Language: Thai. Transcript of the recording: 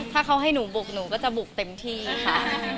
ถ้าเขาให้หนูบุกหนูก็จะบุกเต็มที่ค่ะ